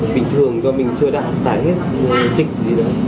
vừa đã tải hết dịch gì rồi